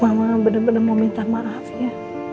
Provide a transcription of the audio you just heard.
mama bener bener mau minta maaf ya